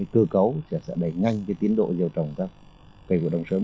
cơ cấu sẽ đẩy nhanh tiến độ gieo trồng các cây vụ đông sớm